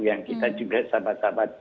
yang kita juga sama sama